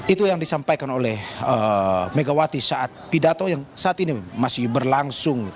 itu yang disampaikan oleh megawati saat pidato yang saat ini masih berlangsung